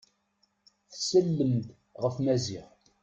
Tsellem-d ɣef Maziɣ.